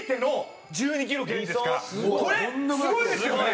これすごいですよね？